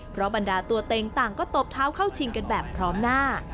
เพราะบรรดาตัวเต็งต่างก็ตบเท้าเข้าชิงกันแบบพร้อมหน้า